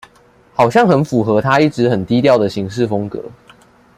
好像很符合他一直很低調的行事風格